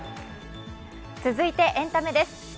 続いてエンタメです。